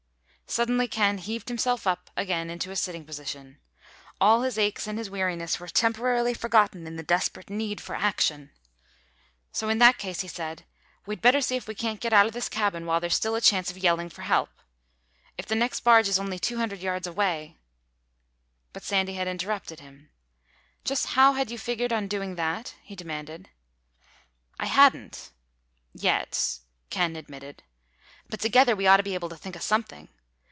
Suddenly Ken heaved himself up again to a sitting position. All his aches and his weariness were temporarily forgotten in the desperate need for action. "So in that case," he said, "we'd better see if we can't get out of this cabin while there's still a chance of yelling for help. If the next barge is only two hundred yards away—" But Sandy had interrupted him. "Just how had you figured on doing that?" he demanded. "I hadn't—yet," Ken admitted. "But together we ought to be able to think of something.